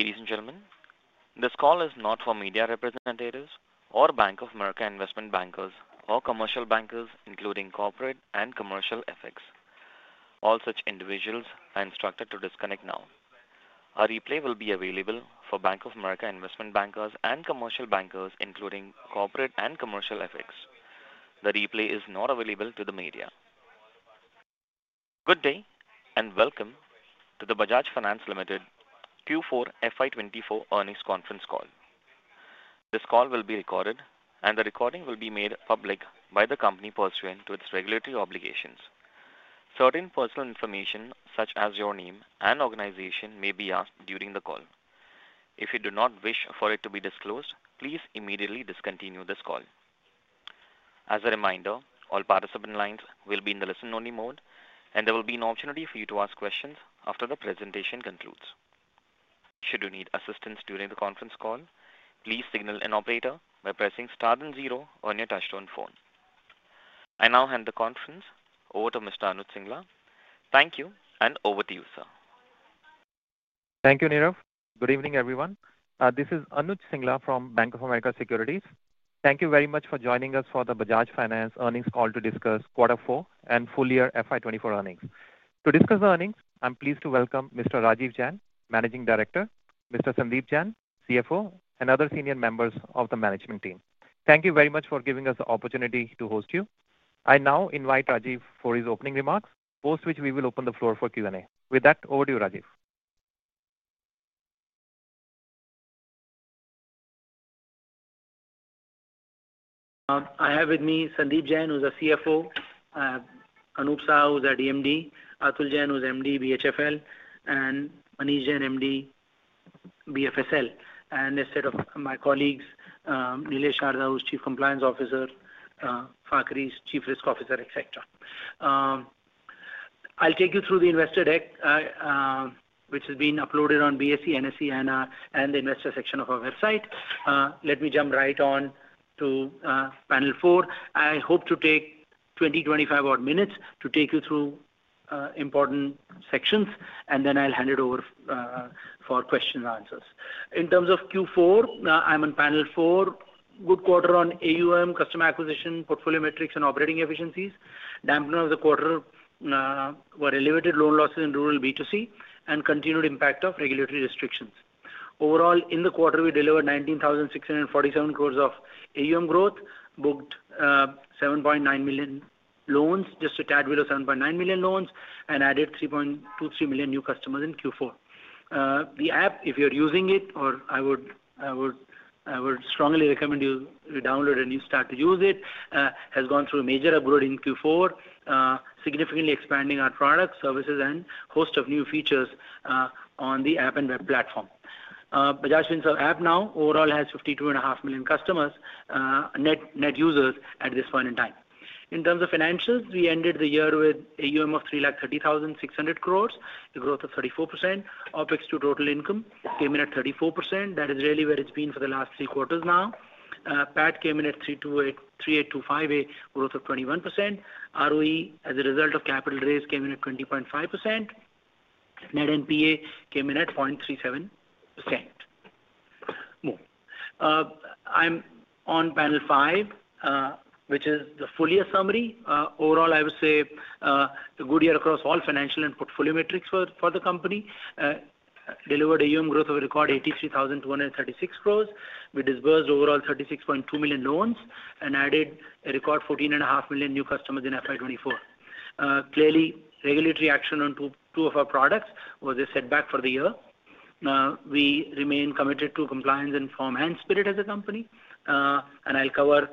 Ladies and gentlemen, this call is not for media representatives or Bank of America investment bankers or commercial bankers, including corporate and commercial execs. All such individuals are instructed to disconnect now. A replay will be available for Bank of America investment bankers and commercial bankers, including corporate and commercial execs. The replay is not available to the media. Good day, and welcome to the Bajaj Finance Limited Q4 FY 2024 earnings conference call. This call will be recorded, and the recording will be made public by the company pursuant to its regulatory obligations. Certain personal information, such as your name and organization, may be asked during the call. If you do not wish for it to be disclosed, please immediately discontinue this call. As a reminder, all participant lines will be in the listen-only mode, and there will be an opportunity for you to ask questions after the presentation concludes. Should you need assistance during the conference call, please signal an operator by pressing star then zero on your touchtone phone. I now hand the conference over to Mr. Anuj Singla. Thank you, and over to you, sir. Thank you, Nirav. Good evening, everyone. This is Anuj Singla from Bank of America Securities. Thank you very much for joining us for the Bajaj Finance earnings call to discuss quarter four and full year FY 2024 earnings. To discuss the earnings, I'm pleased to welcome Mr. Rajeev Jain, Managing Director, Mr. Sandeep Jain, CFO, and other senior members of the management team. Thank you very much for giving us the opportunity to host you. I now invite Rajiv for his opening remarks, post which we will open the floor for Q&A. With that, over to you, Rajiv. I have with me Sandeep Jain, who's our CFO, Anup Saha, who's our DMD, Atul Jain, who's MD, BHFL, and Manish Jain, MD, BFSL, and a set of my colleagues, Nilesh Sarda, who's Chief Compliance Officer, Fakhri Sarjan, Chief Risk Officer, et cetera. I'll take you through the investor deck, which has been uploaded on BSE, NSE, and the investor section of our website. Let me jump right on to panel four. I hope to take 20, 25 odd minutes to take you through important sections, and then I'll hand it over for questions and answers. In terms of Q4, I'm on panel four. Good quarter on AUM, customer acquisition, portfolio metrics, and operating efficiencies. Dampeners of the quarter were elevated loan losses in rural B2C and continued impact of regulatory restrictions. Overall, in the quarter, we delivered 19,647 crore of AUM growth, booked 7.9 million loans, just a tad below 7.9 million loans, and added 3.23 million new customers in Q4. The app, if you're using it, or I would strongly recommend you download and you start to use it, has gone through a major upgrade in Q4, significantly expanding our products, services, and host of new features on the app and web platform. Bajaj Finance app now overall has 52.5 million customers, net, net users at this point in time. In terms of financials, we ended the year with AUM of 3,30,600 crore, a growth of 34%. OpEx to total income came in at 34%. That is really where it's been for the last three quarters now. PAT came in at 3,825.8 crore, a growth of 21%. ROE, as a result of capital raise, came in at 20.5%. Net NPA came in at 0.37%. Move. I'm on panel five, which is the full year summary. Overall, I would say, a good year across all financial and portfolio metrics for the company. Delivered AUM growth of a record 83,236 crore. We disbursed overall 36.2 million loans and added a record 14.5 million new customers in FY 2024. Clearly, regulatory action on two of our products was a setback for the year. We remain committed to compliance in form and spirit as a company, and I'll cover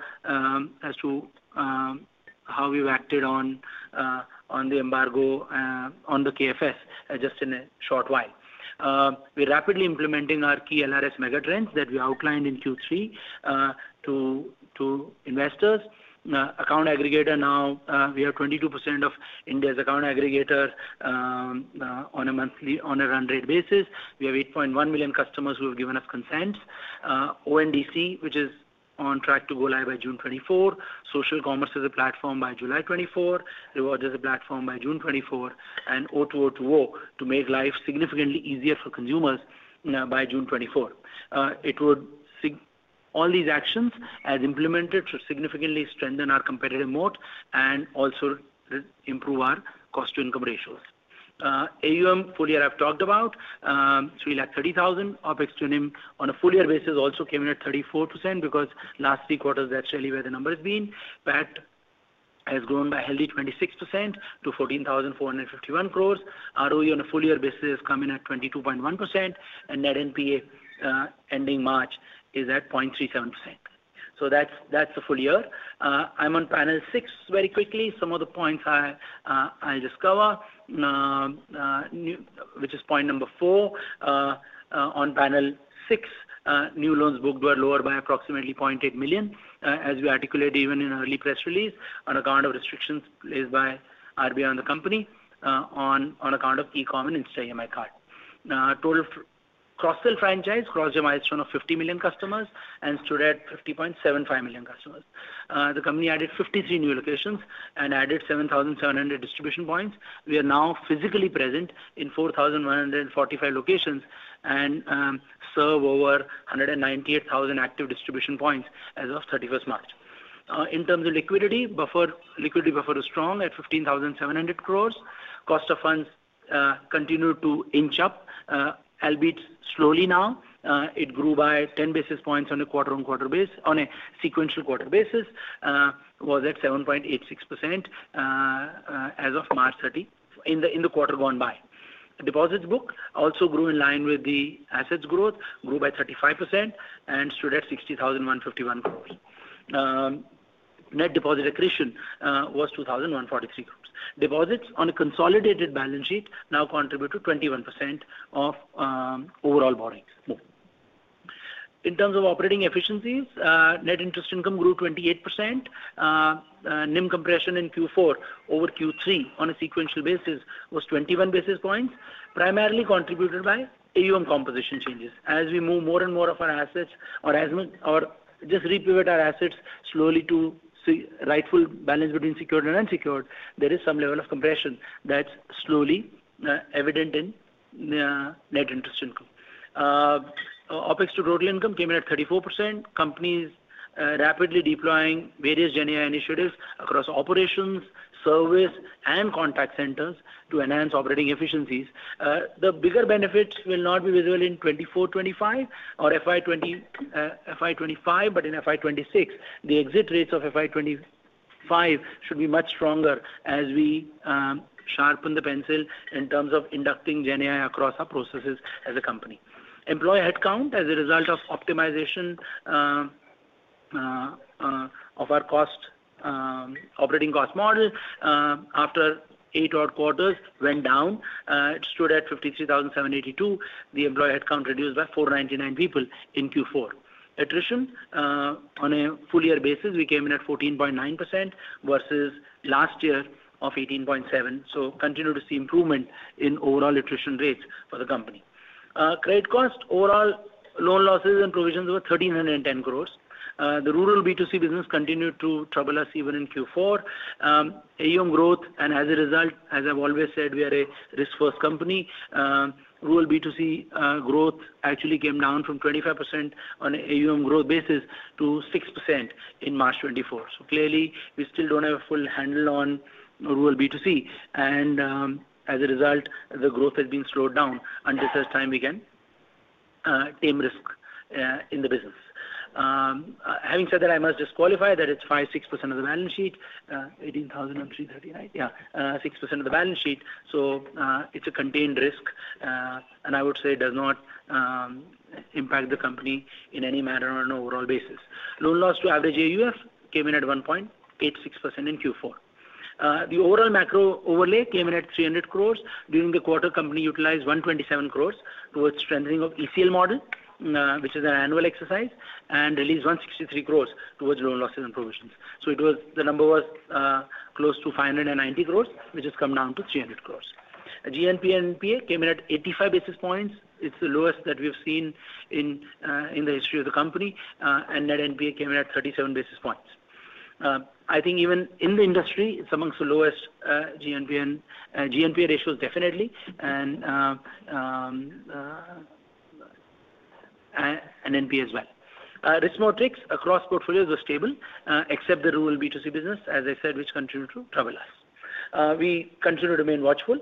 as to how we've acted on the embargo on the KFS just in a short while. We're rapidly implementing our key LRS mega trends that we outlined in Q3 to investors. Account ggregator now, we are 22% of India's account aggregator on a monthly on a run rate basis. We have 8.1 million customers who have given us consent. ONDC, which is on track to go live by June 2024. Social commerce as a platform by July 2024. Reward as a platform by June 2024, and O2O2O to make life significantly easier for consumers by June 2024. All these actions, as implemented, should significantly strengthen our competitive moat and also re-improve our cost-to-income ratios. AUM, full year, I've talked about, 330,000 crore. OPEX to NIM on a full year basis also came in at 34% because last three quarters that's really where the number has been. PAT has grown by a healthy 26% to 14,451 crore. ROE on a full year basis come in at 22.1%, and net NPA ending March is at 0.37%. So that's the full year. I'm on panel six. Very quickly, some of the points I, I'll just cover, new... Which is point number four, on panel six, new loans booked were lower by approximately 0.8 million, as we articulated even in our early press release, on account of restrictions placed by RBI on the company, on account of E-com and Insta EMI Card. Now, total cross-sell franchise crossed a milestone of 50 million customers and stood at 50.75 million customers. The company added 53 new locations and added 7,700 distribution points. We are now physically present in 4,145 locations and serve over 198,000 active distribution points as of 31st March. In terms of liquidity buffer, liquidity buffer is strong at 15,700 crore. Cost of funds continue to inch up, albeit slowly now. It grew by 10 basis points on a quarter-on-quarter basis, on a sequential quarter basis, was at 7.86%, as of March 30, in the quarter gone by. Deposits book also grew in line with the assets growth, grew by 35% and stood at 60,151 crore. Net deposit accretion was 2,143 crore. Deposits on a consolidated balance sheet now contribute to 21% of overall borrowings. In terms of operating efficiencies, net interest income grew 28%. NIM compression in Q4 over Q3 on a sequential basis was 21 basis points, primarily contributed by AUM composition changes. As we move more and more of our assets or as we or just repivot our assets slowly to see rightful balance between secured and unsecured, there is some level of compression that's slowly evident in net interest income. Opex to revenue income came in at 34%. Company is rapidly deploying various GenAI initiatives across operations, service, and contact centers to enhance operating efficiencies. The bigger benefits will not be visible in 2024, 2025 or FY 2025, but in FY 2026. The exit rates of FY 2025 should be much stronger as we sharpen the pencil in terms of inducting GenAI across our processes as a company. Employee headcount, as a result of optimization of our cost operating cost model, after eight odd quarters went down, it stood at 53,782. The employee headcount reduced by 499 people in Q4. Attrition, on a full year basis, we came in at 14.9% versus last year of 18.7%, so continue to see improvement in overall attrition rates for the company. Credit cost, overall loan losses and provisions were 1,310 crores. The rural B2C business continued to trouble us even in Q4. AUM growth, and as a result, as I've always said, we are a risk-first company. Rural B2C, growth actually came down from 25% on a AUM growth basis to 6% in March 2024. So clearly, we still don't have a full handle on rural B2C, and, as a result, the growth has been slowed down until such time we can tame risk in the business. Having said that, I must just qualify that it's 5%-6% of the balance sheet, 18,339. Six percent of the balance sheet, so, it's a contained risk, and I would say it does not impact the company in any manner on an overall basis. Loan loss to average AUF came in at 1.86% in Q4. The overall macro overlay came in at 300 crore. During the quarter, company utilized 127 crore towards strengthening of ECL model, which is an annual exercise, and released 163 crore towards loan losses and provisions. So it was, the number was, close to 590 crore, which has come down to 300 crore. GNPNPA came in at 85 basis points. It's the lowest that we've seen in the history of the company, and net NPA came in at 37 basis points. I think even in the industry, it's among the lowest GNPA ratios, definitely, and NPA as well. Risk metrics across portfolios were stable, except the rural B2C business, as I said, which continued to trouble us. We continue to remain watchful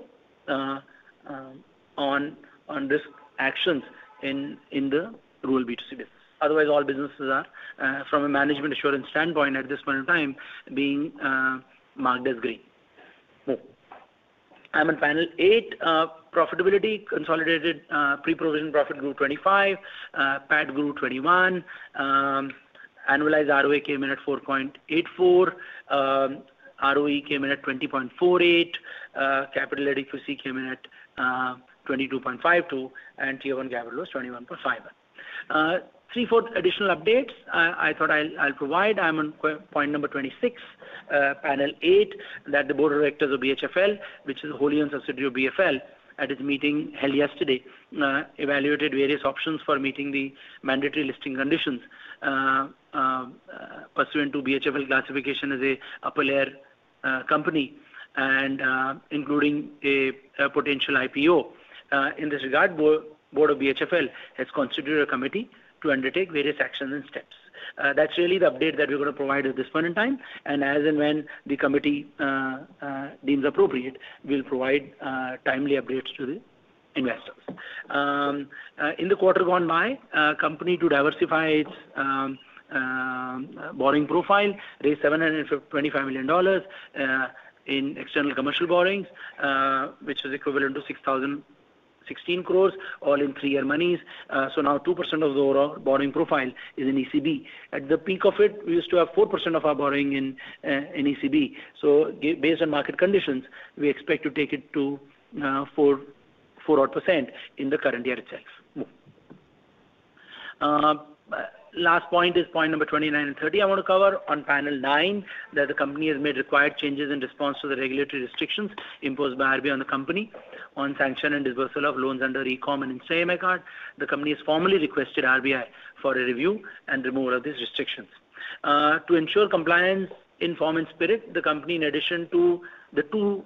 on risk actions in the rural B2C business. Otherwise, all businesses are from a management assurance standpoint at this point in time, being marked as green. I'm on panel eight. Profitability consolidated, pre-provision profit grew 25, PAT grew 21. Annualized ROA came in at 4.84. ROE came in at 20.48. Capital adequacy came in at 22.52, and Tier-one capital was 21.5. three-four additional updates, I thought I'll provide. I'm on point number 26, panel eight, that the board of directors of BHFL, which is a wholly-owned subsidiary of BFL, at its meeting held yesterday, evaluated various options for meeting the mandatory listing conditions, pursuant to BHFL classification as a Upper Layer company and including a potential IPO. In this regard, board of BHFL has constituted a committee to undertake various actions and steps. That's really the update that we're gonna provide at this point in time, and as and when the committee deems appropriate, we'll provide timely updates to the investors. In the quarter gone by, company to diversify its borrowing profile, raised $752.5 million in external commercial borrowings, which is equivalent to 6,016 crore, all in three-year monies. So now 2% of the overall borrowing profile is in ECB. At the peak of it, we used to have 4% of our borrowing in ECB. So based on market conditions, we expect to take it to four, four odd % in the current year itself. Last point is point number 29 and 30. I want to cover on Panel 9, that the company has made required changes in response to the regulatory restrictions imposed by RBI on the company on sanction and disbursal of loans under eCOM and in the same regard, the company has formally requested RBI for a review and removal of these restrictions. To ensure compliance in form and spirit, the company, in addition to the 2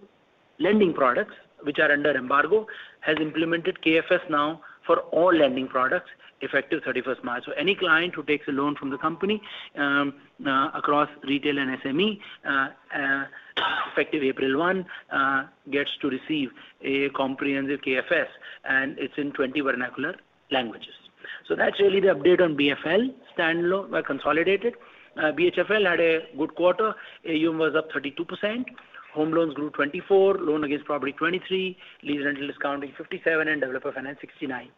lending products, which are under embargo, has implemented KFS now for all lending products, effective thirty-first March. So any client who takes a loan from the company, across retail and SME, effective April 1, gets to receive a comprehensive KFS, and it's in 20 vernacular languages. So that's really the update on BFL standalone, consolidated. BHFL had a good quarter. AUM was up 32%. Home loans grew 24, loan against property, 23, lease rental discount is 57, and developer finance, 69.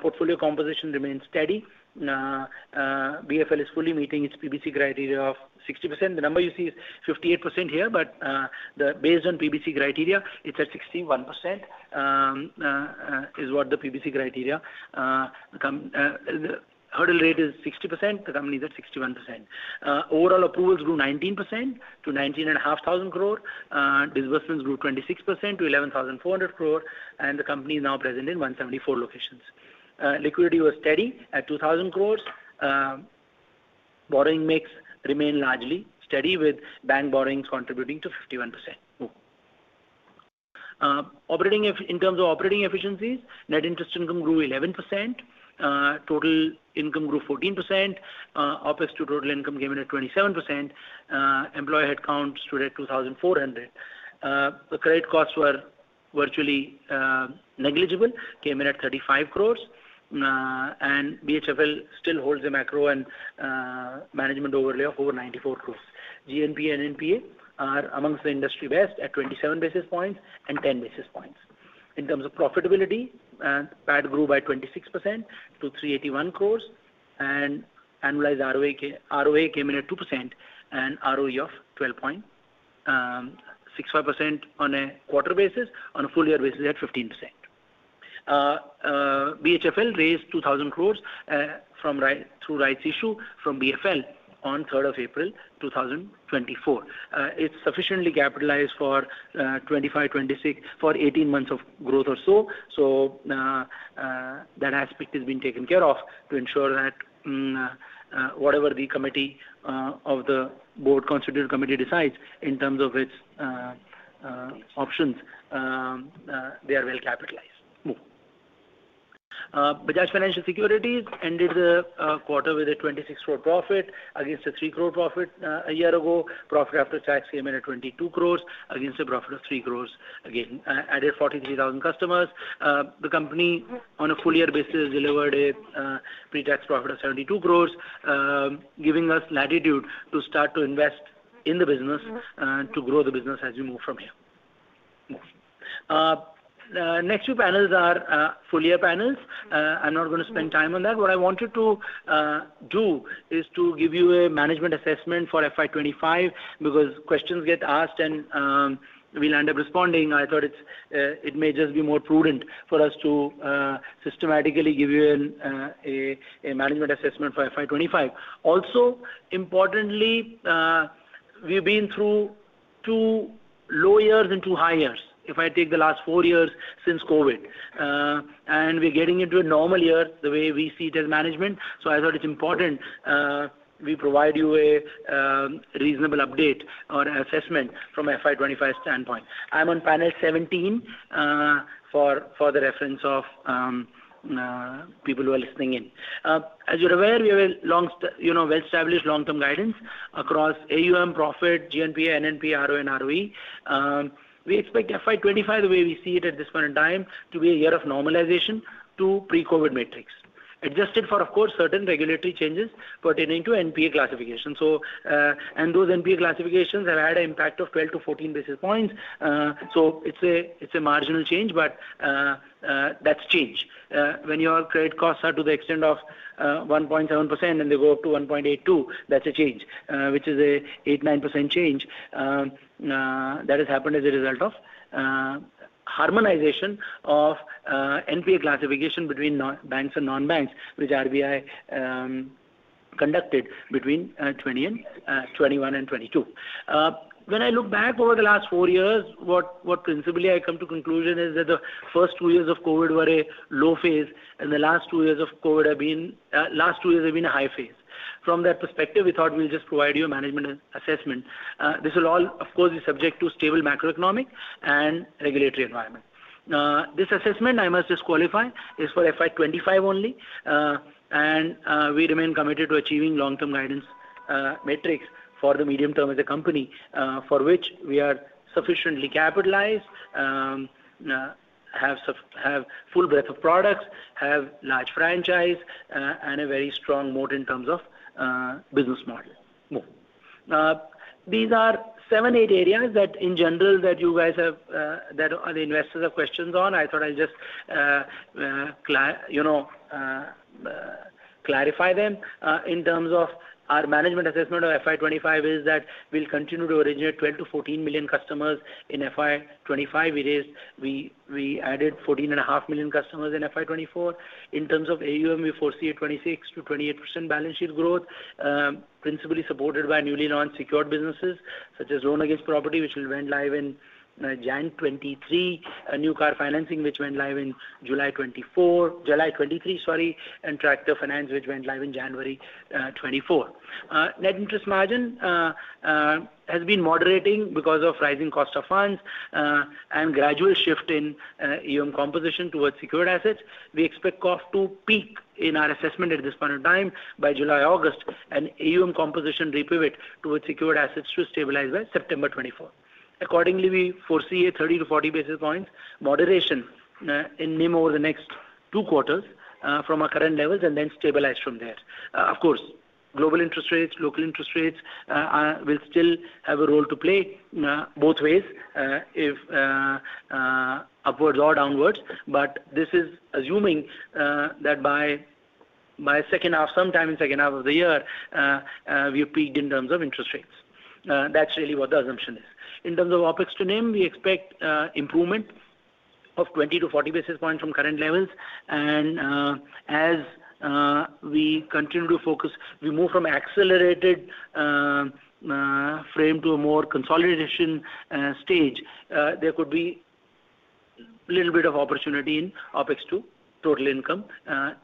Portfolio composition remains steady. BFL is fully meeting its PBC criteria of 60%. The number you see is 58% here, but, the based on PBC criteria, it's at 61%, is what the PBC criteria become. The hurdle rate is 60%, the company is at 61%. Overall approvals grew 19% to 19,500 crore. Disbursements grew 26% to 11,400 crore, and the company is now present in 174 locations. Liquidity was steady at 2,000 crores. Borrowing mix remain largely steady, with bank borrowings contributing to 51%. Move. In terms of operating efficiencies, net interest income grew 11%, total income grew 14%, OPEX to total income came in at 27%, employee headcount stood at 2,400. The credit costs were virtually negligible, came in at 35 crore. And BHFL still holds a macro and management overlay of over 94 crore. GNPA and NPA are amongst the industry best at 27 basis points and 10 basis points. In terms of profitability, PAT grew by 26% to 381 crore, and annualized ROA came in at 2% and ROE of 12.65% on a quarter basis. On a full year basis, they're at 15%. BHFL raised 2,000 crore from through rights issue from BFL on third of April, 2024. It's sufficiently capitalized for 25-26, for 18 months of growth or so. So, that aspect has been taken care of to ensure that whatever the committee of the board constituted committee decides in terms of its options, they are well capitalized. Move. Bajaj Financial Securities ended the quarter with a 26 crore profit, against a 3 crore profit a year ago. Profit after tax came in at 22 crore, against a profit of 3 crore. Again, added 43,000 customers. The company, on a full year basis, delivered a pre-tax profit of 72 crore, giving us latitude to start to invest in the business- Mm-hmm. To grow the business as we move from here. The next two panels are full year panels. Mm-hmm. I'm not gonna spend time on that. What I wanted to do is to give you a management assessment for FY 25, because questions get asked and we'll end up responding. I thought it's it may just be more prudent for us to systematically give you an a management assessment for FY 25. Also, importantly, we've been through two low years and two high years, if I take the last four years since COVID. And we're getting into a normal year, the way we see it as management, so I thought it's important we provide you a reasonable update or an assessment from a FY 25 standpoint. I'm on panel 17 for the reference of people who are listening in. As you're aware, we have a long- you know, well-established long-term guidance across AUM, profit, GNPA, NNPA, ROA and ROE. We expect FY 25, the way we see it at this point in time, to be a year of normalization to pre-COVID metrics. Adjusted for, of course, certain regulatory changes pertaining to NPA classification. So, and those NPA classifications have had an impact of 12-14 basis points. So it's a marginal change, but, that's change. When your credit costs are to the extent of, 1.7%, and they go up to 1.82, that's a change. which is an 8.9% change, that has happened as a result of harmonization of NPA classification between banks and non-banks, which RBI conducted between 2020 and 2021 and 2022. When I look back over the last four years, what principally I come to conclusion is that the first two years of COVID were a low phase, and the last two years have been a high phase. From that perspective, we thought we'll just provide you a management assessment. This will all, of course, be subject to stable macroeconomic and regulatory environment. This assessment, I must just qualify, is for FY 25 only. We remain committed to achieving long-term guidance, metrics for the medium term as a company, for which we are sufficiently capitalized, have full breadth of products, have large franchise, and a very strong moat in terms of business model. Move. These are seven, eight areas that in general, that you guys have, that the investors have questions on. I thought I'd just, you know, clarify them. In terms of our management assessment of FY 2025 is that we'll continue to originate 12-14 million customers in FY 2025. It is. We added 14.5 million customers in FY 2024. In terms of AUM, we foresee a 26%-28% balance sheet growth, principally supported by newly launched secured businesses, such as loan against property, which went live in January 2023, a new car financing, which went live in July 2024 - July 2023, sorry, and Tractor Finance, which went live in January 2024. Net interest margin has been moderating because of rising cost of funds and gradual shift in AUM composition towards secured assets. We expect cost to peak in our assessment at this point in time, by July, August, and AUM composition repivot towards secured assets to stabilize by September 2024. Accordingly, we foresee a 30-40 basis points moderation in NIM over the next two quarters from our current levels and then stabilize from there. Of course, global interest rates, local interest rates, will still have a role to play, both ways, if upwards or downwards, but this is assuming that by, by second half, sometime in second half of the year, we have peaked in terms of interest rates. That's really what the assumption is. In terms of OPEX to NIM, we expect improvement of 20-40 basis points from current levels. And, as we continue to focus, we move from accelerated frame to a more consolidation stage, there could be little bit of opportunity in OPEX to total income,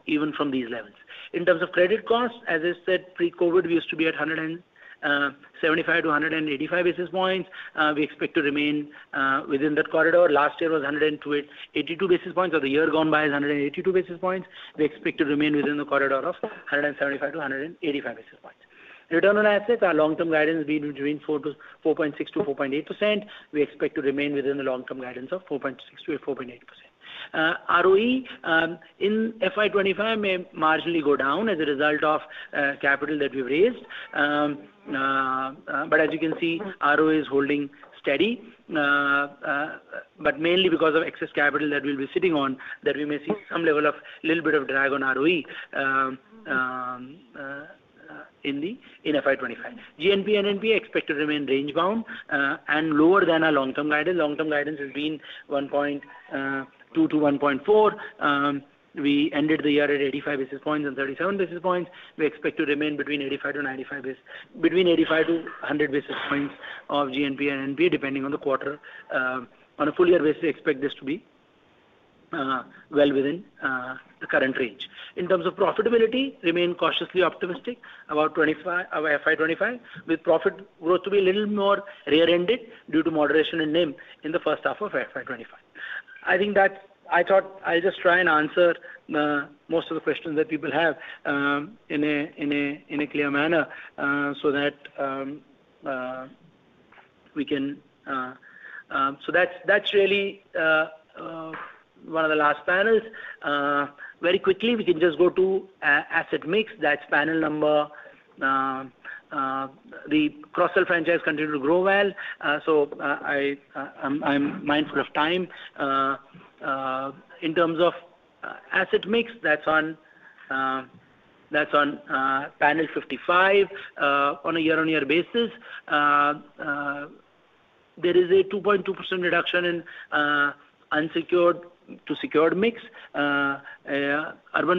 even from these levels. In terms of credit costs, as I said, pre-COVID, we used to be at 175-185 basis points. We expect to remain within that corridor. Last year was 182 basis points, or the year gone by is 182 basis points. We expect to remain within the corridor of 175-185 basis points. Return on assets, our long-term guidance will be between 4.6%-4.8%. We expect to remain within the long-term guidance of 4.6%-4.8%. ROE in FY 2025 may marginally go down as a result of capital that we've raised. But as you can see, ROE is holding steady, but mainly because of excess capital that we'll be sitting on, that we may see some level of little bit of drag on ROE in FY 2025. GNPA and NPA expect to remain range bound and lower than our long-term guidance. Long-term guidance is between 1.2-1.4. We ended the year at 85 basis points and 37 basis points. We expect to remain between 85-95 basis points—between 85-100 basis points of GNPA and NPA, depending on the quarter. On a full year basis, we expect this to be well within the current range. In terms of profitability, remain cautiously optimistic about 25, FY 2025, with profit growth to be a little more rear-ended due to moderation in NIM in the first half of FY 2025. I think that's—I thought I'll just try and answer most of the questions that people have in a clear manner so that we can. So that's really one of the last panels. Very quickly, we can just go to asset mix. That's panel number the cross-sell franchise continued to grow well. So I'm mindful of time. In terms of asset mix, that's on panel 55. On a year-on-year basis, there is a 2.2% reduction in unsecured to secured mix. Urban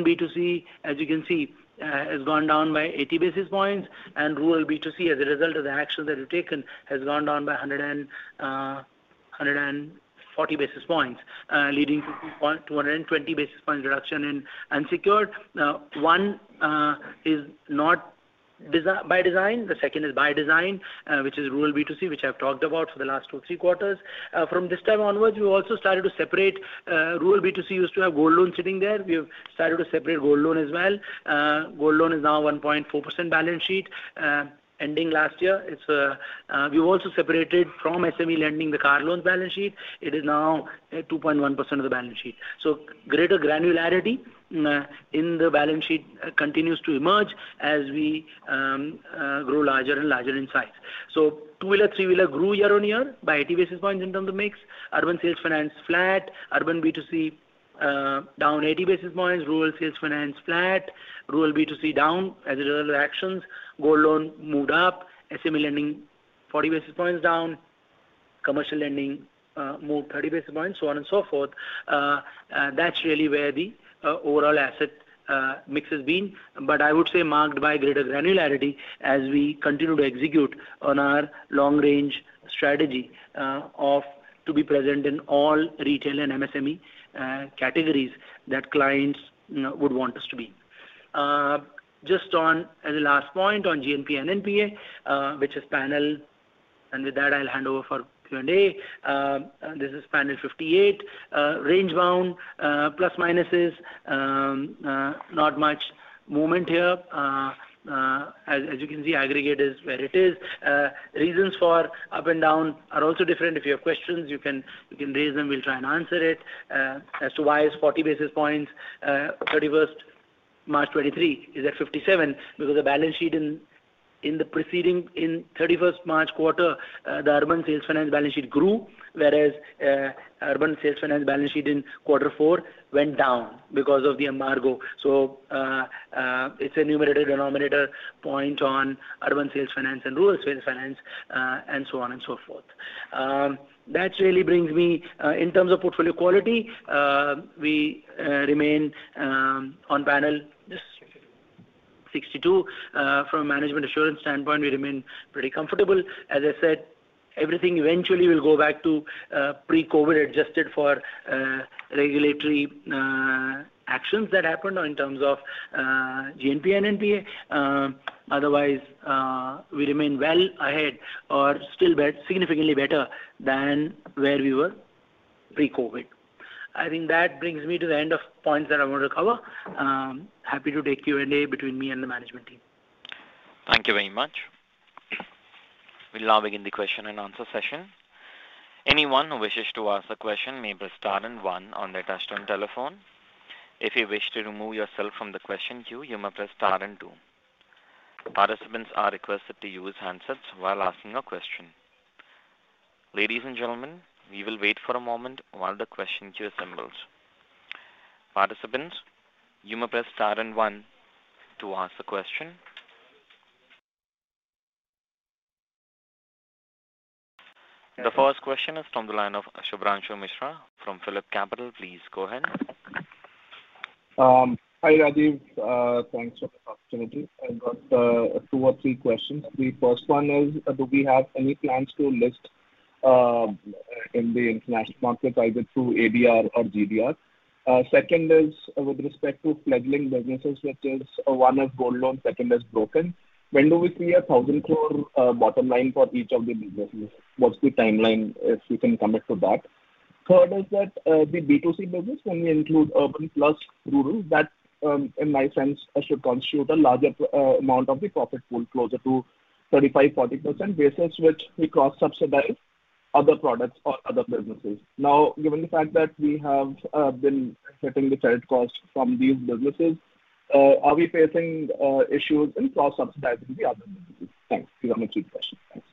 B2C, as you can see, has gone down by 80 basis points, and rural B2C, as a result of the actions that we've taken, has gone down by 140 basis points, leading to 220 basis points reduction in unsecured. One is not designed by design, the second is by design, which is rural B2C, which I've talked about for the last two, three quarters. From this time onwards, we've also started to separate, rural B2C used to have gold loan sitting there. We have started to separate gold loan as well. Gold loan is now 1.4% balance sheet, ending last year. It's, we've also separated from SME lending, the car loans balance sheet. It is now at 2.1% of the balance sheet. So greater granularity in the balance sheet continues to emerge as we grow larger and larger in size. So two-wheeler, three-wheeler grew year-on-year by 80 basis points in terms of mix. Urban sales finance, flat. Urban B2C, down 80 basis points. Rural sales finance, flat. Rural B2C, down as a result of actions. Gold loan, moved up. SME lending, 40 basis points down. Commercial lending, moved 30 basis points, so on and so forth. That's really where the overall asset mix has been, but I would say marked by greater granularity as we continue to execute on our long-range strategy of to be present in all retail and MSME categories that clients would want us to be. Just on, as a last point on GNPA and NPA, which is panel, and with that, I'll hand over for Q&A. This is panel 58. Range bound, plus, minuses, not much movement here. As you can see, aggregate is where it is. Reasons for up and down are also different. If you have questions, you can, you can raise them, we'll try and answer it. As to why is 40 basis points, thirty-first March 2023 is at 57, because the balance sheet in, in the preceding-- in thirty-first March quarter, the urban sales finance balance sheet grew, whereas, urban sales finance balance sheet in quarter four went down because of the embargo. So, it's a numerator, denominator point on urban sales finance and rural sales finance, and so on and so forth. That really brings me, in terms of portfolio quality, we remain, on panel- Sixty-two. -62. From a management assurance standpoint, we remain pretty comfortable. As I said, everything eventually will go back to pre-COVID, adjusted for regulatory actions that happened or in terms of GNP and NPA. Otherwise, we remain well ahead or still significantly better than where we were pre-COVID. I think that brings me to the end of points that I want to cover. Happy to take Q&A between me and the management team. ...Thank you very much. We'll now begin the question and answer session. Anyone who wishes to ask a question may press star and one on their touchtone telephone. If you wish to remove yourself from the question queue, you may press star and two. Participants are requested to use handsets while asking a question. Ladies and gentlemen, we will wait for a moment while the question queue assembles. Participants, you may press star and one to ask the question. The first question is from the line of Shubhranshu Mishra from PhillipCapital. Please go ahead. Hi, Rajiv. Thanks for the opportunity. I've got two or three questions. The first one is, do we have any plans to list in the international market, either through ADR or GDR? Second is with respect to fledgling businesses, which is one is gold loan, second is broking. When do we see 1,000 crore bottom line for each of the businesses? What's the timeline, if you can comment to that. Third is that the B2C business, when we include urban plus rural, that in my sense should constitute a larger amount of the profit pool, closer to 35%-40%, versus which we cross-subsidize other products or other businesses. Now, given the fact that we have been getting the credit cost from these businesses, are we facing issues in cross-subsidizing the other businesses? Thanks. These are my three questions. Thanks.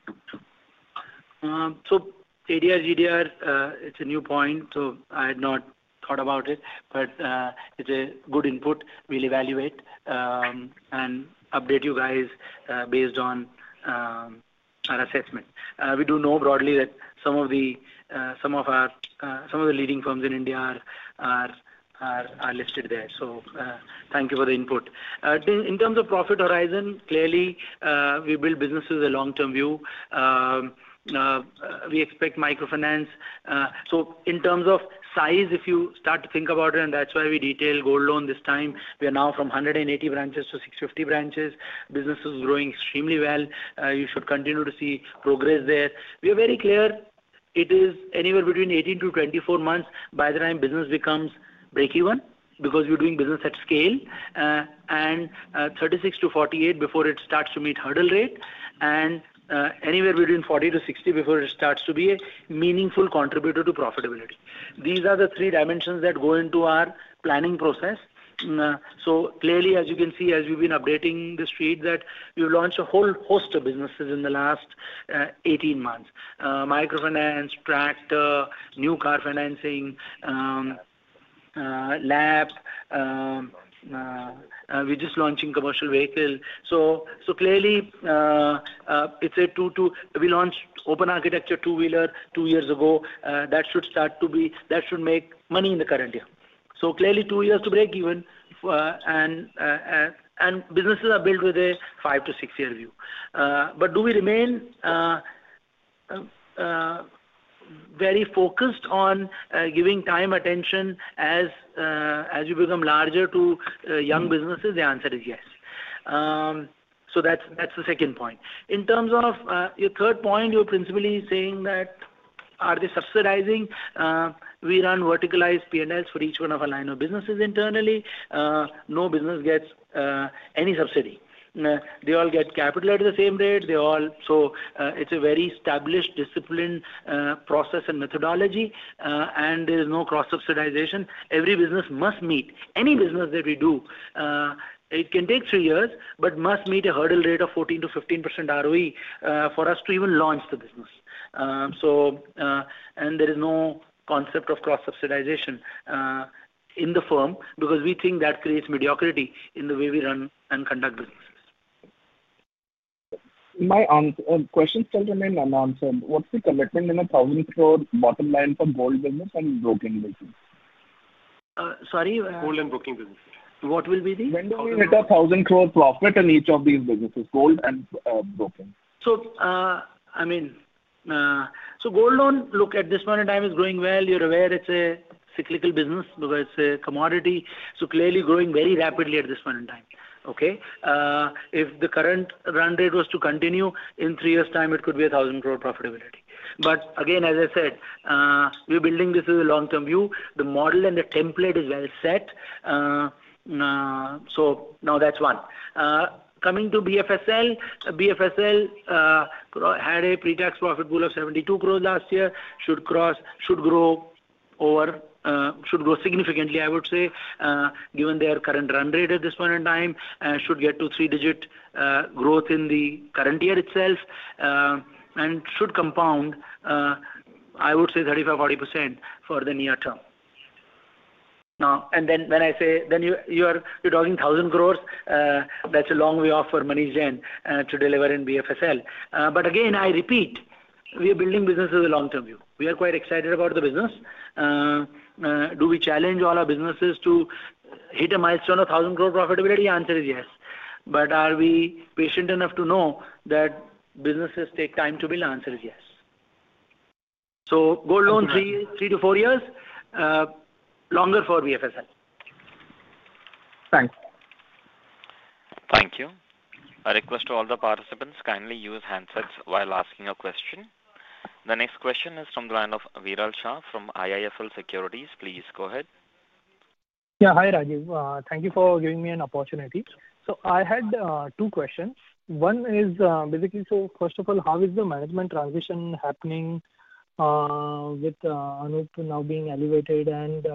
So ADR, GDR, it's a new point, so I had not thought about it, but it's a good input. We'll evaluate and update you guys based on our assessment. We do know broadly that some of the leading firms in India are listed there. So thank you for the input. In terms of profit horizon, clearly we build businesses a long-term view. We expect microfinance. So in terms of size, if you start to think about it, and that's why we detailed gold loan this time, we are now from 180 branches to 650 branches. Business is growing extremely well. You should continue to see progress there. We are very clear it is anywhere between 18-24 months by the time business becomes breakeven, because we're doing business at scale, and 36-48 before it starts to meet hurdle rate, and anywhere between 40-60 before it starts to be a meaningful contributor to profitability. These are the three dimensions that go into our planning process. So clearly, as you can see, as we've been updating the street, that we launched a whole host of businesses in the last 18 months. Microfinance, tractor, new car financing, LAP, we're just launching commercial vehicle. So clearly, it's a two-two. We launched open architecture, two-wheeler two years ago. That should start to be... That should make money in the current year. So clearly, two years to breakeven, and businesses are built with a five-six-year view. But do we remain very focused on giving time, attention as you become larger to young businesses? The answer is yes. So that's the second point. In terms of your third point, you're principally saying that, are they subsidizing? We run verticalized P&Ls for each one of our line of businesses internally. No business gets any subsidy. They all get capital at the same rate. They all- so it's a very established discipline, process and methodology, and there's no cross-subsidization. Every business must meet. Any business that we do, it can take three years, but must meet a hurdle rate of 14%-15% ROE, for us to even launch the business. So, and there is no concept of cross-subsidization, in the firm, because we think that creates mediocrity in the way we run and conduct businesses. My question still remain unanswered. What's the commitment in INR 1,000 crore bottom line for gold business and broking business? Uh, sorry? Gold and broking business. What will be the- When do we hit 1,000 crore profit in each of these businesses, gold and broking? So, I mean, so gold loan, look, at this point in time is growing well. You're aware it's a cyclical business because it's a commodity, so clearly growing very rapidly at this point in time. Okay? If the current run rate was to continue, in three years' time, it could be 1,000 crore profitability. But again, as I said, we're building this as a long-term view. The model and the template is well set. So now that's one. Coming to BFSL. BFSL had a pre-tax profit pool of 72 crore last year, should cross, should grow over, should grow significantly, I would say, given their current run rate at this point in time, should get to three-digit growth in the current year itself, and should compound, I would say 35%-40% for the near term. Now, and then when I say, then you, you are... You're talking 1,000 crore, that's a long way off for Manish Jain to deliver in BFSL. But again, I repeat, we are building business as a long-term view. We are quite excited about the business. Do we challenge all our businesses to hit a milestone of 1,000 crore profitability? The answer is yes. But are we patient enough to know that businesses take time to build? The answer is yes. So gold loan, three, three-four years, longer for BFSL. Thanks. Thank you. I request to all the participants, kindly use handsets while asking a question. The next question is from the line of Viral Shah from IIFL Securities. Please go ahead.... Yeah. Hi, Rajeev. Thank you for giving me an opportunity. So I had two questions. One is, basically, so first of all, how is the management transition happening with Anup now being elevated and,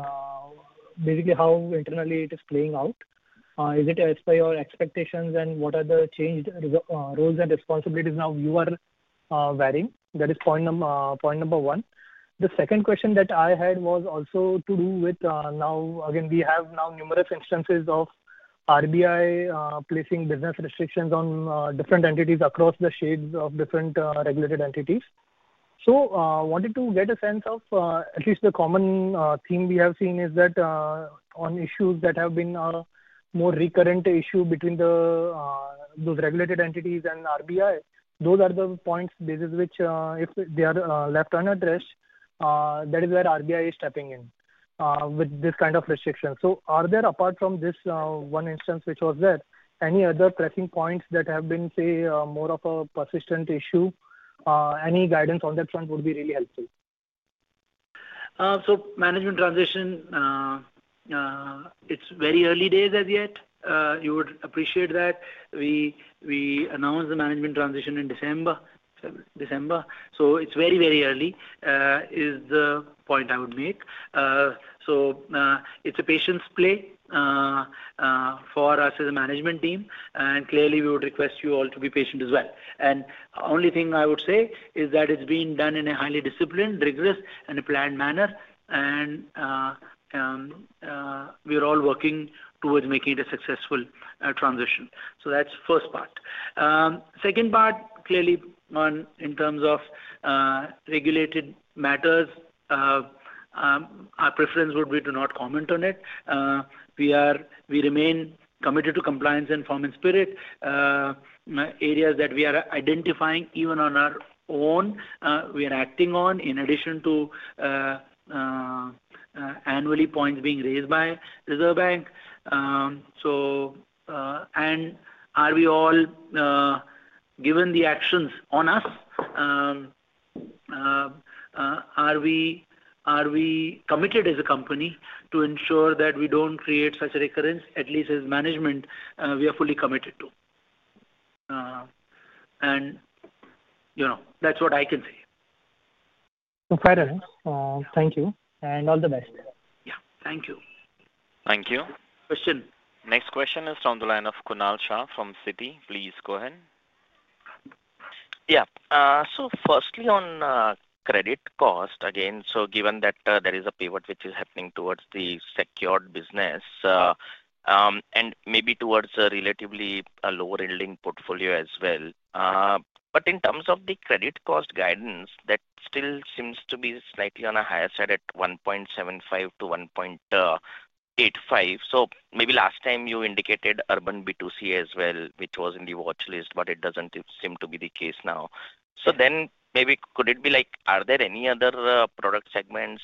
basically, how internally it is playing out? Is it as per your expectations, and what are the changed roles and responsibilities now you are varying? That is point number one. The second question that I had was also to do with, now again, we have now numerous instances of RBI placing business restrictions on different entities across the shades of different regulated entities. Wanted to get a sense of, at least the common theme we have seen is that, on issues that have been, more recurrent issue between the, those regulated entities and RBI, those are the points basis which, if they are, left unaddressed, that is where RBI is stepping in, with this kind of restrictions. So are there, apart from this, one instance, which was there, any other pressing points that have been, say, more of a persistent issue? Any guidance on that front would be really helpful. So management transition, it's very early days as yet. You would appreciate that. We announced the management transition in December. December. So it's very, very early, is the point I would make. So it's a patience play for us as a management team, and clearly, we would request you all to be patient as well. And only thing I would say is that it's being done in a highly disciplined, rigorous, and a planned manner, and we are all working towards making it a successful transition. So that's first part. Second part, clearly, in terms of regulated matters, our preference would be to not comment on it. We remain committed to compliance and form in spirit, areas that we are identifying even on our own, we are acting on, in addition to, annually points being raised by Reserve Bank. So, and are we all, given the actions on us, are we, are we committed as a company to ensure that we don't create such a recurrence? At least as management, we are fully committed to. And, you know, that's what I can say. Fair enough. Thank you, and all the best. Yeah. Thank you. Thank you. Question. Next question is on the line of Kunal Shah from Citi. Please go ahead. Yeah. So firstly, on credit cost, again, so given that there is a pivot which is happening towards the secured business, and maybe towards a relatively lower-yielding portfolio as well. But in terms of the credit cost guidance, that still seems to be slightly on a higher side at 1.75%-1.85%. So maybe last time you indicated Urban B2C as well, which was in the watchlist, but it doesn't seem to be the case now. So then maybe could it be like, are there any other product segments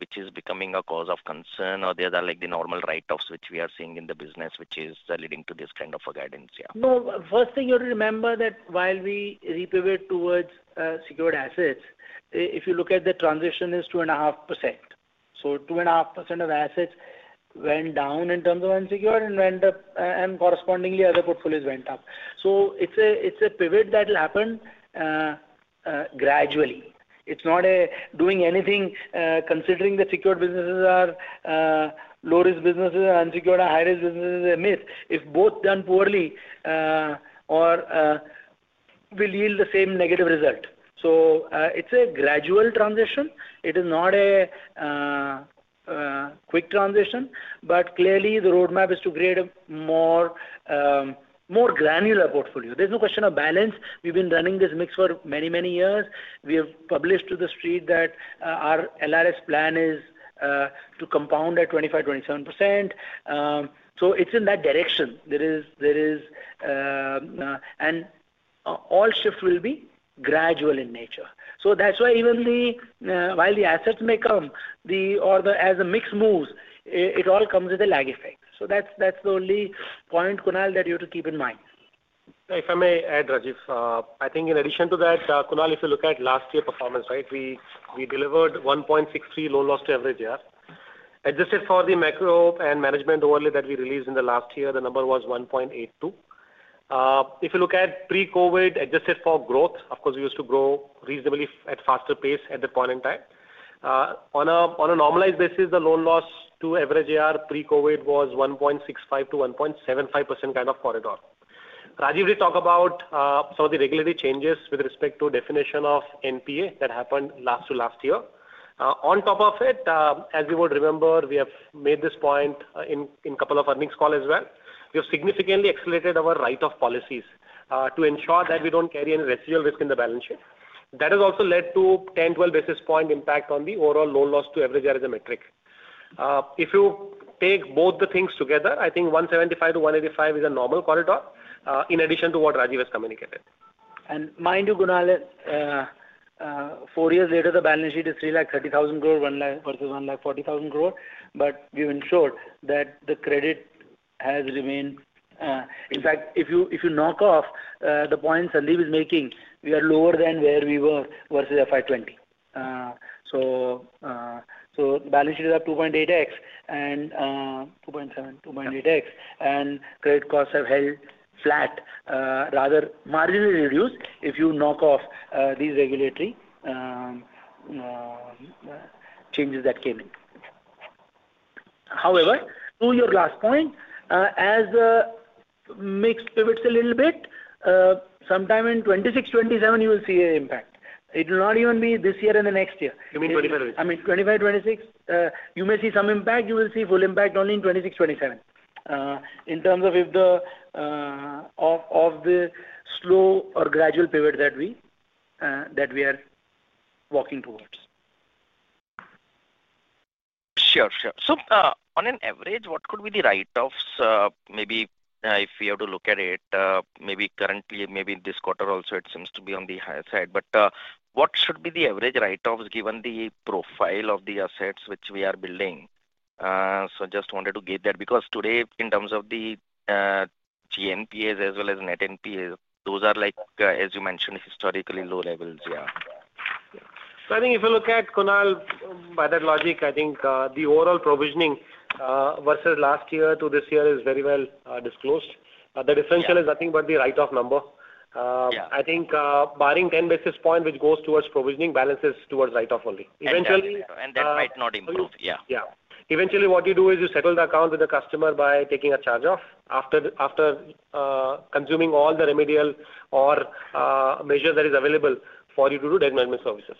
which is becoming a cause of concern, or they are like the normal write-offs which we are seeing in the business, which is leading to this kind of a guidance here? No. First thing you have to remember that while we repivot towards secured assets, if you look at the transition is 2.5%. So 2.5% of assets went down in terms of unsecured and went up, and correspondingly, other portfolios went up. So it's a pivot that will happen gradually. It's not a doing anything considering the secured businesses are low-risk businesses and unsecured are high-risk businesses is a myth. If both done poorly will yield the same negative result. So it's a gradual transition. It is not a quick transition, but clearly, the roadmap is to create a more granular portfolio. There's no question of balance. We've been running this mix for many, many years. We have published to the street that our LRS plan is to compound at 25%-27%. So it's in that direction. There is, there is, and all shifts will be gradual in nature. So that's why even the while the assets may come, the or the as the mix moves, it all comes with a lag effect. So that's the only point, Kunal, that you have to keep in mind. If I may add, Rajiv, I think in addition to that, Kunal, if you look at last year's performance, right, we, we delivered 1.63 loan loss to average AUM. Adjusted for the macro and management overlay that we released in the last year, the number was 1.82. If you look at pre-COVID, adjusted for growth, of course, we used to grow reasonably at faster pace at that point in time. On a normalized basis, the loan loss to average AUM, pre-COVID was 1.65%-1.75% kind of corridor. Rajiv did talk about some of the regulatory changes with respect to definition of NPA that happened last to last year. On top of it, as you would remember, we have made this point in a couple of earnings calls as well. We have significantly accelerated our write-off policies to ensure that we don't carry any residual risk in the balance sheet. That has also led to 10-12 basis point impact on the overall loan loss to average AUM as a metric. If you take both the things together, I think 175-185 is a normal corridor, in addition to what Rajiv has communicated. And mind you, Kunal, four years later, the balance sheet is 330,000 growth, 100,000 versus 140,000 growth, but we've ensured that the credit has remained... in fact, if you, if you knock off the points Salil is making, we are lower than where we were versus FY 2020... so balance sheets are 2.8x and 2.7x, 2.8x, and credit costs have held flat, rather marginally reduced if you knock off these regulatory changes that came in. However, to your last point, as the mix pivots a little bit, sometime in 2026, 2027, you will see an impact. It will not even be this year and the next year. You mean 25? I mean, 2025, 2026, you may see some impact. You will see full impact only in 2026, 2027. In terms of if the, of, of the slow or gradual pivot that we, that we are walking towards. Sure. Sure. So, on an average, what could be the write-offs? Maybe if we have to look at it, maybe currently, maybe this quarter also, it seems to be on the higher side, but, what should be the average write-offs, given the profile of the assets which we are building? So just wanted to get that, because today, in terms of the, GNPA as well as net NPA, those are like, as you mentioned, historically low levels. Yeah. So I think if you look at Kunal, by that logic, I think, the overall provisioning versus last year to this year is very well disclosed. Yeah. The differential is nothing but the write-off number. Yeah. I think, barring 10 basis points, which goes towards provisioning balances towards write-off only. Eventually- That might not improve. Yeah. Yeah. Eventually, what you do is you settle the account with the customer by taking a charge off after consuming all the remedial measures that is available for you to do debt management services.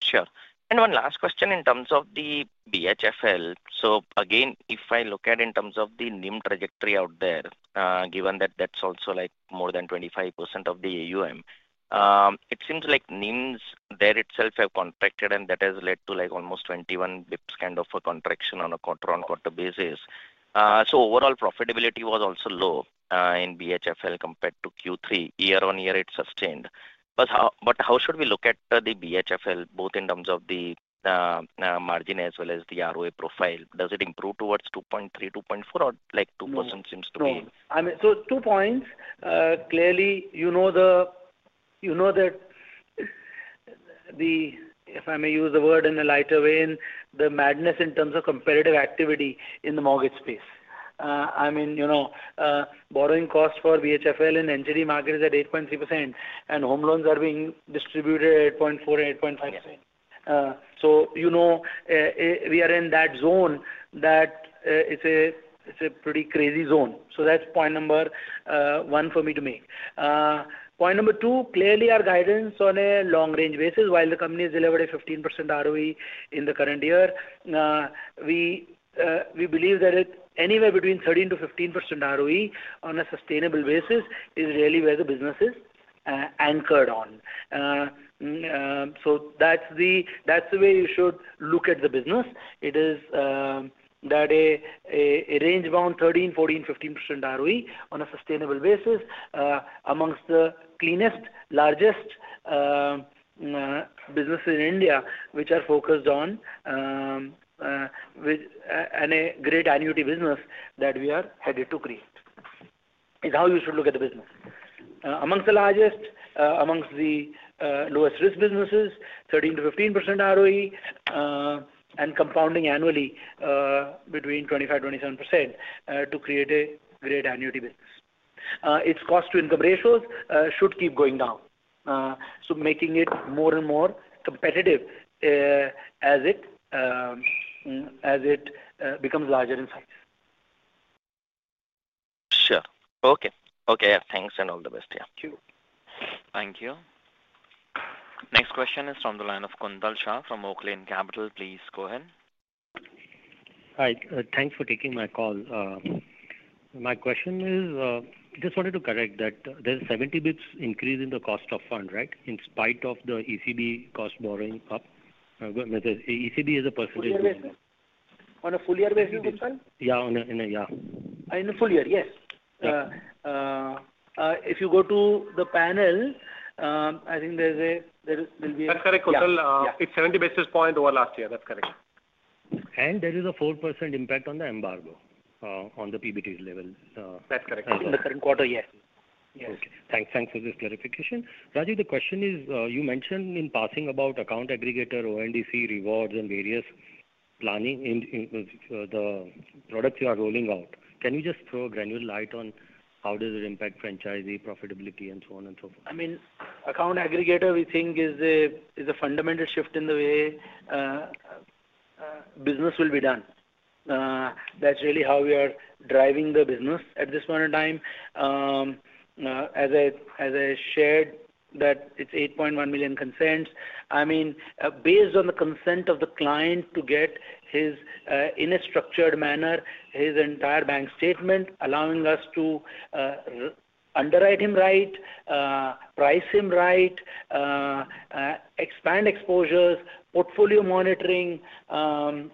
Sure. One last question in terms of the BHFL. So again, if I look at in terms of the NIM trajectory out there, given that that's also like more than 25% of the AUM, it seems like NIMS there itself have contracted, and that has led to like almost 21 BPS, kind of a contraction on a quarter-on-quarter basis. So overall profitability was also low, in BHFL compared to Q3. Year-on-year, it sustained. But how should we look at the BHFL, both in terms of the margin as well as the ROA profile? Does it improve towards 2.3%, 2.4%, or like 2% seems to be- No. I mean, so two points. Clearly, you know the, you know that the... if I may use the word in a lighter vein, the madness in terms of competitive activity in the mortgage space. I mean, you know, borrowing costs for BHFL in NCD market is at 8.3%, and home loans are being distributed at 8.4%-8.5%. Yeah. So, you know, we are in that zone, that it's a pretty crazy zone. So that's point number one for me to make. Point number two, clearly our guidance on a long-range basis, while the company has delivered a 15% ROE in the current year, we believe that it anywhere between 13%-15% ROE on a sustainable basis is really where the business is anchored on. So that's the way you should look at the business. It is a range around 13, 14, 15% ROE on a sustainable basis, amongst the cleanest, largest businesses in India, which are focused on with and a great annuity business that we are headed to create, is how you should look at the business. Amongst the largest, amongst the lowest risk businesses, 13%-15% ROE, and compounding annually between 25%-27%, to create a great annuity business. Its cost to income ratios should keep going down, so making it more and more competitive, as it becomes larger in size. Sure. Okay. Okay, yeah. Thanks, and all the best to you. Thank you. Thank you. Next question is from the line of Kuntal Shah from Oaklane Capital. Please go ahead. Hi, thanks for taking my call. My question is, just wanted to correct that there's 70 basis points increase in the cost of funds, right? In spite of the ECB cost borrowing up. ECB is a percentage. On a full year basis, Kuntal? Yeah, on a... yeah. In a full year, yes. Yeah. If you go to the panel, I think there will be. That's correct, Kuntal. Yeah. It's 70 basis points over last year. That's correct. There is a 4% impact on the embargo, on the PBT level. That's correct. In the current quarter, yes. Yes. Okay. Thanks, thanks for the clarification. Rajiv, the question is, you mentioned in passing about account aggregator, ONDC rewards, and various planning in, the products you are rolling out. Can you just throw a granular light on how does it impact franchisee profitability and so on and so forth? I mean, Account Aggregator, we think, is a fundamental shift in the way business will be done. That's really how we are driving the business at this point in time. As I shared, that it's 8.1 million consents. I mean, based on the consent of the client to get his in a structured manner, his entire bank statement, allowing us to underwrite him right, price him right, expand exposures, portfolio monitoring,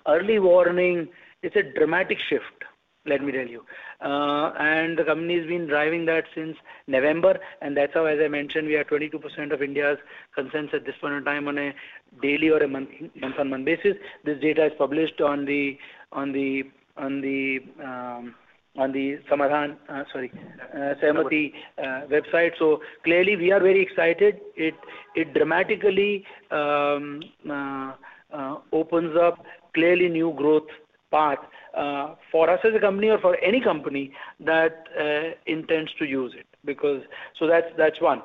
early warning. It's a dramatic shift, let me tell you. And the company's been driving that since November, and that's how, as I mentioned, we are 22% of India's consents at this point in time on a daily or a month, month-on-month basis. This data is published on the Sahamati website. So clearly, we are very excited. It dramatically opens up clearly new growth path for us as a company or for any company that intends to use it, because— So that's one.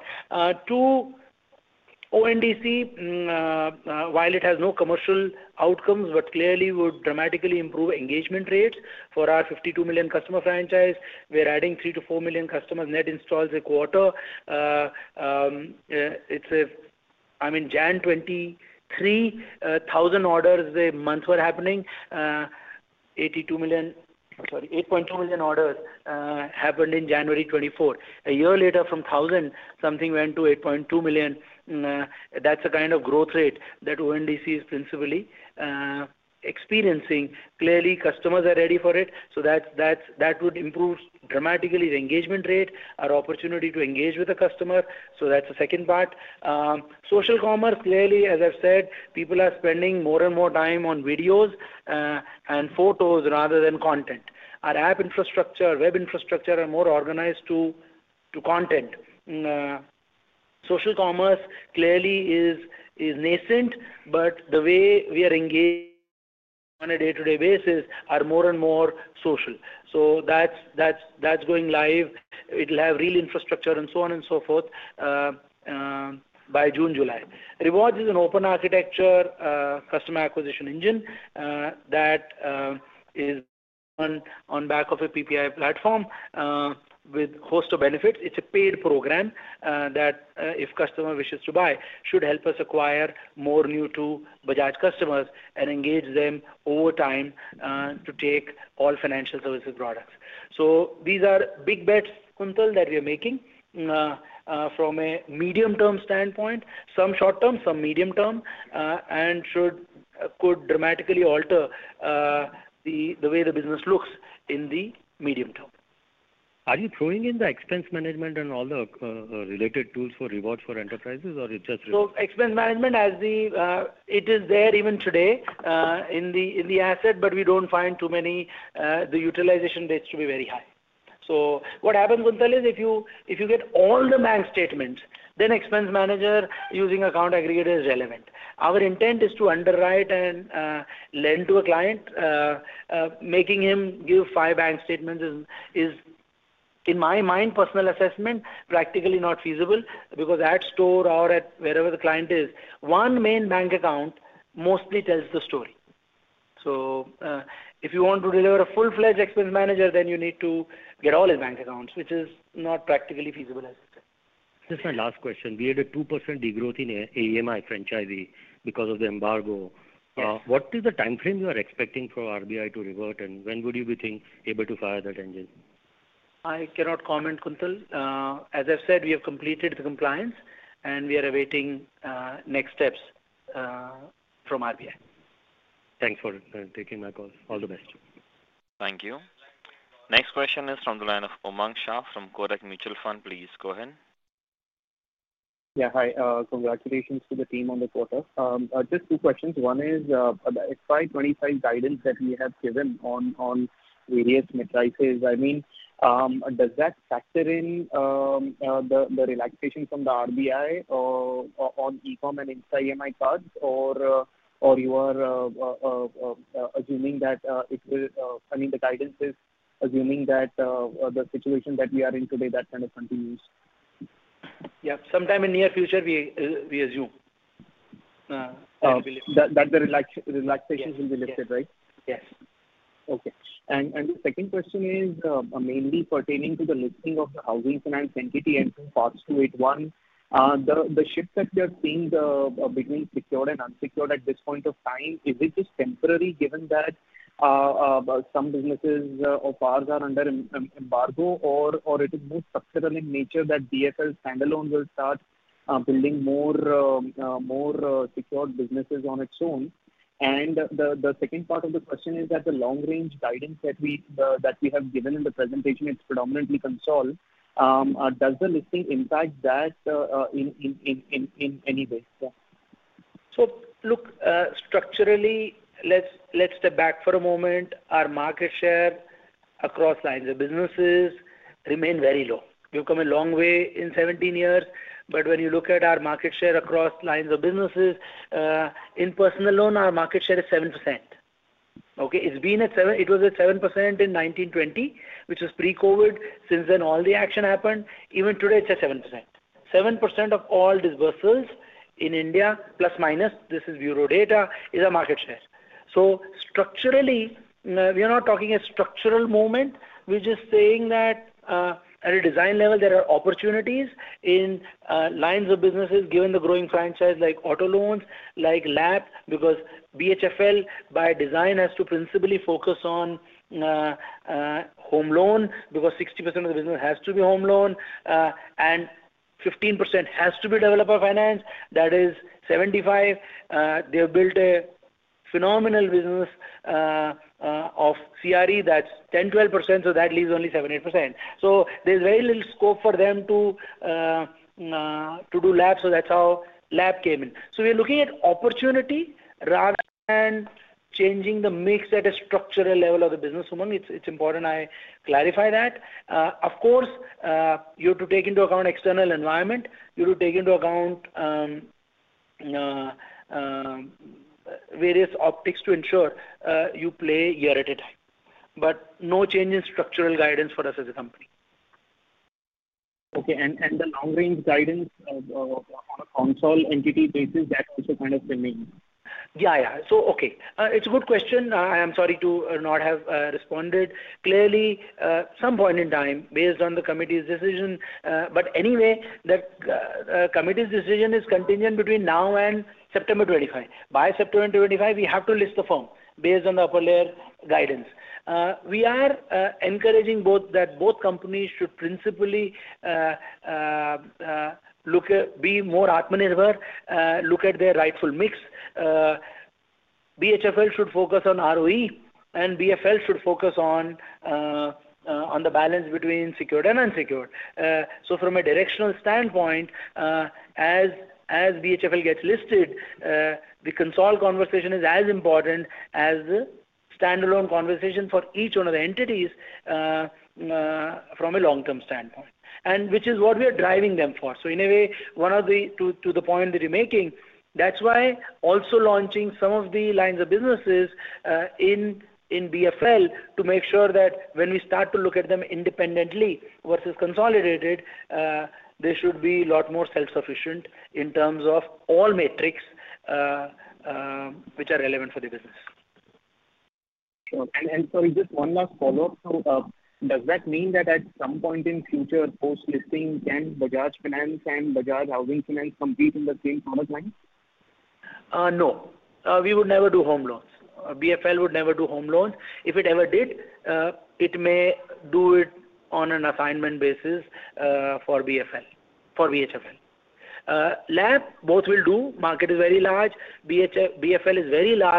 Two, ONDC, while it has no commercial outcomes, but clearly would dramatically improve engagement rates for our 52 million customer franchise. We're adding 3-4 million customers net installs a quarter. It's a— I mean, January 2023, 1,000 orders a month were happening. Eighty-two million... Sorry, 8.2 million orders happened in January 2024. A year later from 1,000, something went to 8.2 million. That's the kind of growth rate that ONDC is principally experiencing. Clearly, customers are ready for it, so that would improve dramatically the engagement rate, our opportunity to engage with the customer. So that's the second part. Social commerce, clearly, as I've said, people are spending more and more time on videos and photos rather than content. Our app infrastructure, web infrastructure are more organized to content. Social commerce clearly is nascent, but the way we are engaged on a day-to-day basis are more and more social. So that's going live. It'll have real infrastructure and so on and so forth by June, July. Rewards is an open architecture customer acquisition engine that is run on back of a PPI platform with host of benefits. It's a paid program that if customer wishes to buy, should help us acquire more new to Bajaj customers and engage them over time to take all financial services products. So these are big bets, Kuntal, that we are making. From a medium-term standpoint, some short term, some medium term, and could dramatically alter the way the business looks in the medium term. Are you throwing in the expense management and all the, related tools for rewards for enterprises, or it's just- So expense management as the, it is there even today, in the, in the asset, but we don't find too many, the utilization rates to be very high. So what happens, Kuntal, is if you, if you get all the bank statements, then expense manager using account aggregator is relevant. Our intent is to underwrite and, lend to a client. Making him give five bank statements is, is, in my mind, personal assessment, practically not feasible, because at store or at wherever the client is, one main bank account mostly tells the story. So, if you want to deliver a full-fledged expense manager, then you need to get all his bank accounts, which is not practically feasible, as I said. Just my last question. We had a 2% degrowth in EMI franchise because of the embargo. Yes. What is the timeframe you are expecting for RBI to revert, and when would you be able to fire that engine? I cannot comment, Kuntal. As I've said, we have completed the compliance, and we are awaiting next steps from RBI. Thanks for taking my call. All the best. Thank you. Next question is from the line of Umang Shah from Kotak Mutual Fund. Please go ahead. Yeah, hi. Congratulations to the team on the quarter. Just two questions. One is, FY 2025 guidance that we have given on various metrics. I mean, does that factor in the relaxation from the RBI or on eCOM and Insta EMI cards or you are assuming that it will... I mean, the guidance is assuming that the situation that we are in today, that kind of continues? Yeah, sometime in near future, we assume. Uh, that- That the relaxations will be lifted, right? Yes. Okay. And the second question is mainly pertaining to the listing of the housing finance entity and parts to it. One, the shift that we are seeing between secured and unsecured at this point of time, is it just temporary, given that some businesses or parts are under embargo or it is more structural in nature that DFSL standalone will start building more secured businesses on its own? And the second part of the question is that the long-range guidance that we have given in the presentation, it's predominantly consolidated. Does the listing impact that in any way? Yeah. So look, structurally, let's, let's step back for a moment. Our market share across lines of businesses remain very low. We've come a long way in 17 years, but when you look at our market share across lines of businesses, in personal loan, our market share is 7%. Okay, it's been at 7%. It was at 7% in FY20, which was pre-COVID. Since then, all the action happened. Even today, it's at 7%. 7% of all disbursements in India, plus, minus, this is bureau data, is our market share. So structurally, we are not talking a structural moment. We're just saying that at a design level, there are opportunities in lines of businesses, given the growing franchise like auto loans, like LAP, because BHFL by design has to principally focus on home loan, because 60% of the business has to be home loan, and 15% has to be developer finance. That is 75. They have built a phenomenal business of CRE, that's 10%-12%, so that leaves only 7%-8%. So there's very little scope for them to do LAP. So that's how LAP came in. So we are looking at opportunity rather than changing the mix at a structural level of the business. It's important I clarify that. Of course, you have to take into account external environment. You have to take into account various optics to ensure you play year at a time, but no change in structural guidance for us as a company. Okay. And the long-range guidance on a consolidated entity basis, that's also kind of remaining? Yeah, yeah. So, okay, it's a good question. I am sorry to not have responded clearly. Some point in time based on the committee's decision. But anyway, that committee's decision is contingent between now and September '25. By September '25, we have to list the firm based on the upper layer guidance. We are encouraging both that both companies should principally look at, be more atmanirbhar, look at their rightful mix. BHFL should focus on ROE, and BFL should focus on the balance between secured and unsecured. So from a directional standpoint, as BHFL gets listed, the consolidated conversation is as important as the standalone conversation for each one of the entities from a long-term standpoint, and which is what we are driving them for. So in a way, to the point that you're making, that's why also launching some of the lines of businesses, in BFL, to make sure that when we start to look at them independently versus consolidated, which are relevant for the business. Sure. And, and so just one last follow-up. So, does that mean that at some point in future post-listing, can Bajaj Finance and Bajaj Housing Finance compete in the same product line? No. We would never do home loans. BFL would never do home loans. If it ever did, it may do it on an assignment basis, for BFL, for BHFL. LAP, both will do. Market is very large. BHFL is very large-